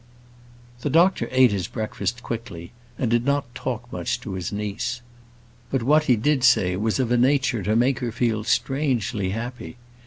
The doctor ate his breakfast quickly; and did not talk much to his niece. But what he did say was of a nature to make her feel strangely happy.